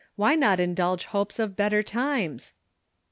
Why not indulge hopes of better times?"